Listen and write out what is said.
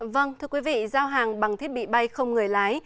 vâng thưa quý vị giao hàng bằng thiết bị bay không người lái